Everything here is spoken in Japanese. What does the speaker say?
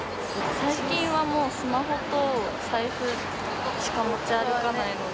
最近はもうスマホと財布しか持ち歩かないので。